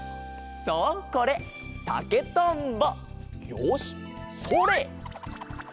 よしそれ！